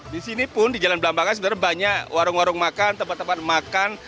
di sini pun di jalan belambangan sebenarnya banyak warung warung makan tempat tempat makan